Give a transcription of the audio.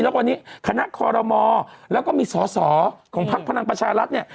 แล้ววันนี้คณะคอรมอแล้วก็มีสอสอของพักพลังประชารัฐเนี่ย